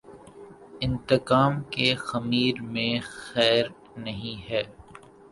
انتقام کے خمیر میںخیر نہیں ہے۔